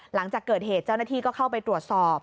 หลังจากเกิดเหตุเจ้าหน้าที่ก็เข้าไปตรวจสอบ